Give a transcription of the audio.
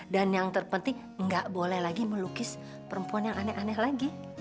dan yang terpenting gak boleh lagi melukis perempuan yang aneh aneh lagi